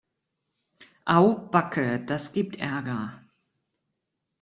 Au backe, das gibt Ärger.